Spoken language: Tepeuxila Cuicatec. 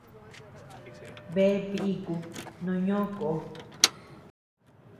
Bea bíku no ñó kó.